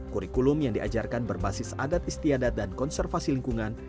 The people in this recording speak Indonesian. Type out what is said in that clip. kurikulum yang diajarkan berbasis adat istiadat dan konservasi lingkungan